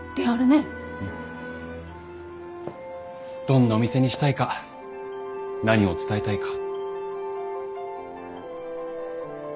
どんなお店にしたいか何を伝えたいか。